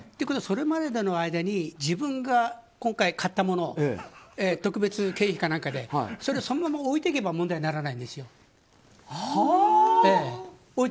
それまでの間に自分が今回買ったもの特別経費か何かでそれをそのまま置いていけば問題にならないんですよ。